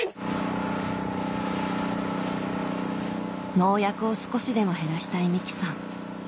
農薬を少しでも減らしたい美樹さん